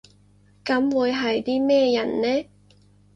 噉會係啲咩人呢？